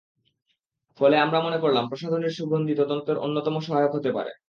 ফলে আমরা মনে করলাম প্রসাধনীর সুগন্ধি তদন্তের অন্যতম সহায়ক হতে পারে।